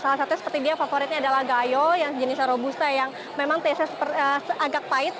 salah satunya seperti dia favoritnya adalah gayo yang jenisnya robusta yang memang tesnya agak pahit